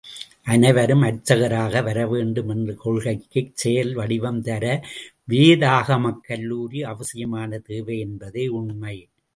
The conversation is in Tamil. அனைவரும் அர்ச்சகராக வரவேண்டும் என்ற கொள்கைக்குச் செயல் வடிவம் தர, வேதாகமக்கல்லூரி அவசியமான தேவை என்பதே உண்மை!